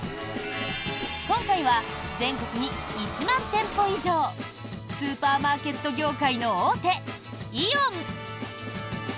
今回は全国に１万店舗以上スーパーマーケット業界の大手イオン。